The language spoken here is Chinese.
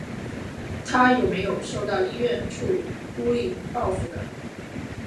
他有没有受到医院处理、孤立、报复等？